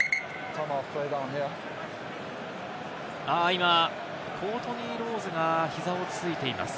今、コートニー・ロウズが膝をついています。